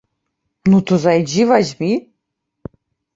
Ну, то зайдзі, вазьмі!